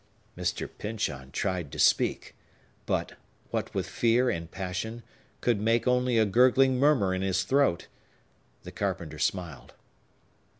Mr. Pyncheon tried to speak, but—what with fear and passion—could make only a gurgling murmur in his throat. The carpenter smiled.